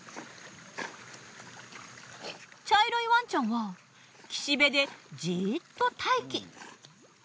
茶色いワンちゃんは岸辺でジーッと待機。